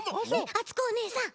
あつこおねえさん！